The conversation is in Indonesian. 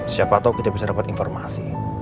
siapa tau kita bisa dapet informasi